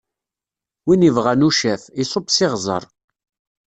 Win ibɣan ucaf, iṣubb s iɣzeṛ!